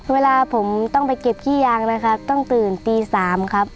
เวลาผมต้องไปเก็บขี้ยางนะครับต้องตื่นตี๓ครับ